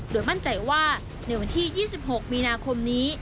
โดยมั่นใจว่าในวันที่๒๖มีนาคมนี้